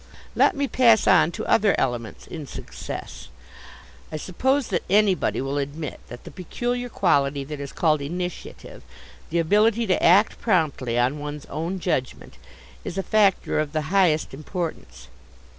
Let me pass on to other elements in success. I suppose that anybody will admit that the peculiar quality that is called initiative the ability to act promptly on one's own judgement is a factor of the highest importance.